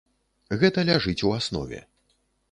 Гэта ляжыць у аснове.